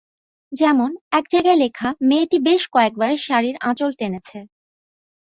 যেমন, এক জায়গায় লেখা-মেয়েটি বেশ কয়েকবার শাড়ীর আঁচল টেনেছে।